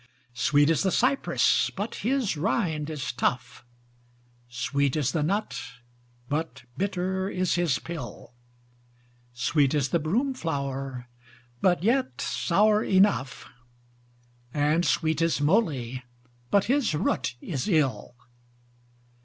Sweet is the Cypress, but his rind is tough, Sweet is the nut, but bitter is his pill; Sweet is the broom flower, but yet sour enough; And sweet is Moly, but his root is ill.